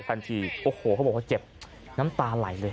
ทันทีโอ้โหเขาบอกว่าเจ็บน้ำตาไหลเลย